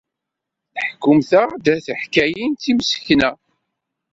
Tḥekkumt-aɣ-d tiḥkayin d timsekna.